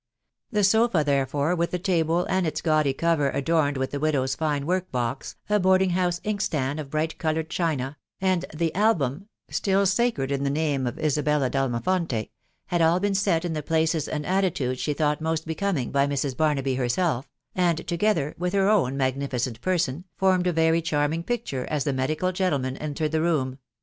The sofa, therefore, with the table and its gaudy cover, adorned with the widow's fine work box, a boarding house inkstand of bright coloured china, and the album (still sacred to the name of Isabella d'Almafonte), had all been set in the places and attitudes she thought most becoming by Mrs. Bar naby herself, and, together with her own magnificent person, formed a very charming picture as the medical gentleman entered the room